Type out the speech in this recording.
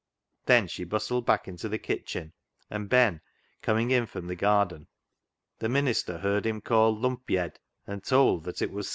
Then she hnstled back into the kitchen, and Hen comin;; in liom the garden, the minister heaid hiin ealKd " lump )'ed," and told that it would " s.